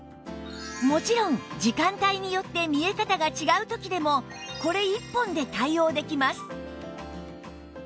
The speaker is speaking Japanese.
もちろん時間帯によって見え方が違う時でもこれ１本で対応できます